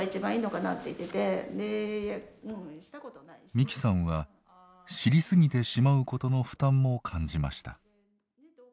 美希さんは知りすぎてしまうことの負担も感じました。